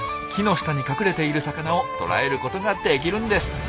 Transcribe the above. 木の下に隠れている魚を捕らえることができるんです。